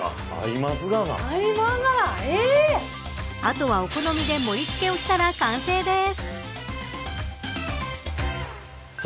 あとは、お好みで盛り付けをしたら完成です。